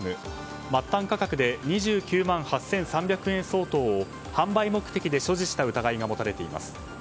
末端価格で２９万８３００円相当を販売目的で所持した疑いが持たれています。